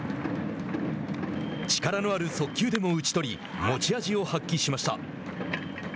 力のある速球でも打ち取り持ち味を発揮しました。